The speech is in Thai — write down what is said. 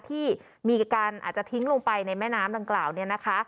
ที่มีการอาจจะทิ้งลงไปในแม่น้ำดังกล่าวเนี่ยนะคะ